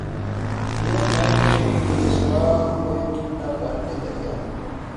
ہوئے مر کے ہم جو رسوا ہوئے کیوں نہ غرق دریا